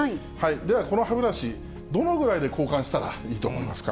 では、この歯ブラシ、どのぐらいで交換したらいいと思いますか？